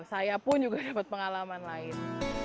saya pun juga dapat pengalaman lain